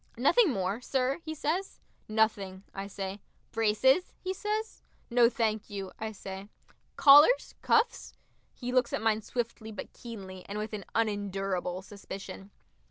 "Nothing more, sir?" he says. "Nothing," I say. "Braces?" he says. "No, thank you," I say. "Collars, cuffs?" He looks at mine swiftly but keenly, and with an unendurable suspicion.